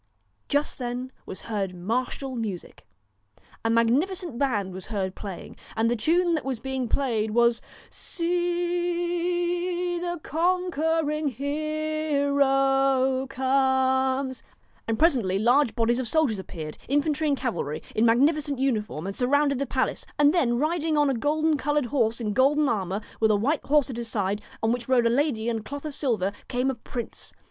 Just then was heard martial music. A magnificent band was heard playing and the tune that was being played was, ' See e e the con quering her er er o comes !' And presently large bodies of soldiers appeared, infantry and cavalry, in magnificent uniform, and surrounded the palace, and then riding on a gold coloured horse in golden armour, with a white horse at his side, on which rode a lady in cloth of silver, came a prince.